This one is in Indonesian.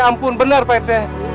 ampun benar pak rt